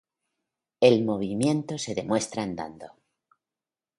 El movimiento se demuestra andando.